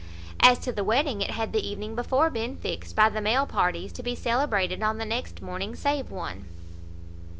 As to the wedding, it had the evening before been fixed, by the male parties, to be celebrated on the next morning save one.